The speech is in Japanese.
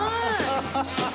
ハハハハッ！